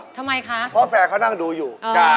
ทำไมคะเพราะแฟนเขานั่งดูอยู่